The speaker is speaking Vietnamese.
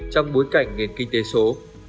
trong bối cảnh nền kinh tế số